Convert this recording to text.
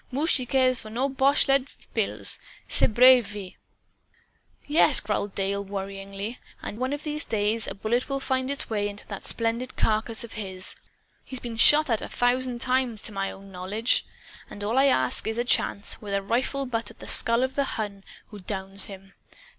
Mooch he care for boche lead pills, ce brave vieux!" "Yes," growled Dale worriedly; "and one of these days a bullet will find its way into that splendid carcass of his. He's been shot at, a thousand times, to my own knowledge. And all I ask is a chance, with a rifle butt, at the skull of the Hun who downs him!"